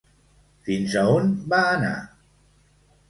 Fins a on va anar?